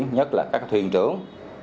nhất là các thuyền trưởng